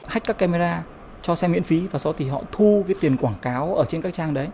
hách các camera cho xem miễn phí và sau đó thì họ thu tiền quảng cáo ở trên các trang đấy